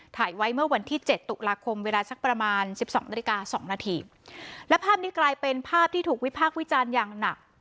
ถ่ายไว้เมื่อวันที่เจ็ดตุลาคมเวลาสักประมาณสิบสองนาฬิกาสองนาทีและภาพนี้กลายเป็นภาพที่ถูกวิพากษ์วิจารณ์อย่างหนัก